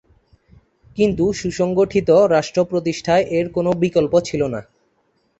কিন্তু সুসংগঠিত রাষ্ট্র প্রতিষ্ঠায় এর কোন বিকল্প ছিল না।